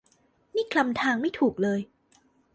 นี่คลำทางไม่ถูกเลย